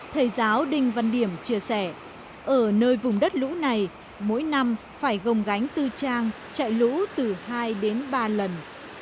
thầy giáo đinh văn điểm chia sẻ ở nơi vùng đất lũ này mỗi năm phải gồng gánh tư trang chạy lũ từ hai đến ba lần